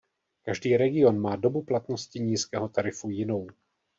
Každý region má dobu platnosti nízkého tarifu jinou.